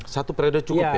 satu periode cukup ya